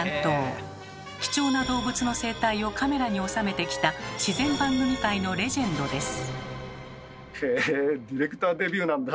貴重な動物の生態をカメラに収めてきた自然番組界のレジェンドです。